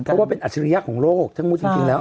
เพราะว่าเป็นอัจฉริยะของโลกทั้งหมดจริงแล้ว